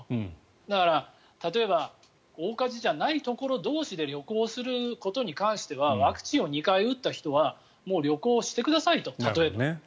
だから、例えば大火事じゃないところ同士で旅行することに関してはワクチンを２回打った人はもう旅行をしてくださいと。